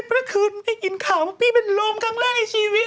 เมื่อคืนพี่อินข่าวว่าพี่เป็นรูมครั้งแรกในชีวิต